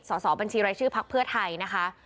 สอบบัญชีรายชื่อพักเพื่อไทยนะคะ